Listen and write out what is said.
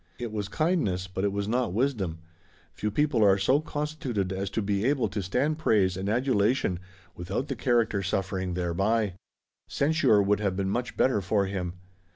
It was kindness, but it was not wisdom. Few people are so constituted as to be able to stand praise and adulation without the character suffering thereby. Censure would have been much better for him.